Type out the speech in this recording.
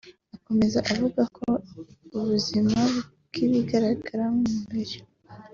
Akomeza avuga ko ubuzima bw’ibigaragara nk’umubiri